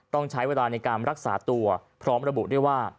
ต้องใช้เวลาในการรักษาตัวพร้อมระบุด้วยว่า